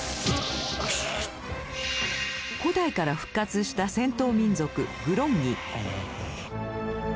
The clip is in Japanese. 古代から復活した戦闘民族グロンギ。